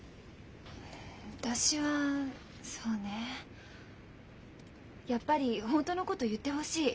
私はそうねやっぱり本当のことを言ってほしい。